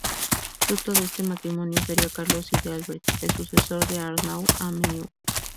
Fruto de este matrimonio sería Carlos I de Albret, el sucesor de Arnaud-Amanieu.